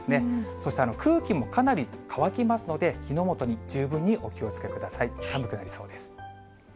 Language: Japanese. そして空気もかなり乾きますので、火の元に十分にお気をつけください。